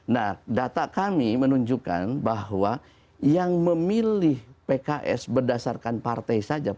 nah data kami menunjukkan bahwa yang memilih pks berdasarkan partai saja pks itu cukup